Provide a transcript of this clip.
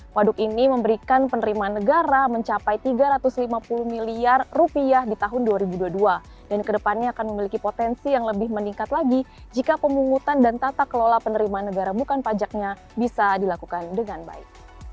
waduk ini memberikan penerimaan negara mencapai tiga ratus lima puluh miliar rupiah di tahun dua ribu dua puluh dua dan kedepannya akan memiliki potensi yang lebih meningkat lagi jika pemungutan dan tata kelola penerimaan negara bukan pajaknya bisa dilakukan dengan baik